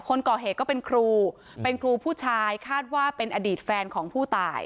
คนก่อเหตุก็เป็นครูเป็นครูผู้ชายคาดว่าเป็นอดีตแฟนของผู้ตาย